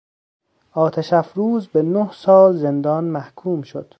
آتش افروز به نه سال زندان محکوم شد.